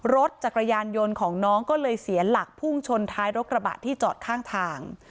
รถจักรยานยนต์ของน้องก็เลยเสียหลักพุ่งชนท้ายรถกระบะที่จอดข้างทาง